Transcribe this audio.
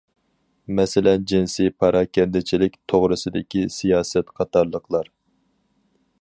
مەسىلەن: جىنسىي پاراكەندىچىلىك توغرىسىدىكى سىياسەت قاتارلىقلار.